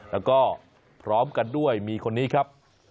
แล้วก็พร้อมกันด้วยมีคนนี้ครับ